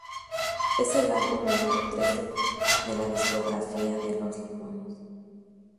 Es el álbum número trece de la discografía de Los Limones.